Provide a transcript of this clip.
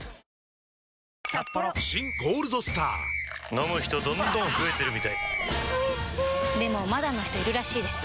飲む人どんどん増えてるみたいおいしでもまだの人いるらしいですよ